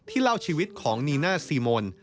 ที่เล่าชีวิตของนีน่าซีโมน